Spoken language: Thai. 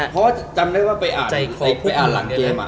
พอจำได้ว่าไปอ่านหลังเกม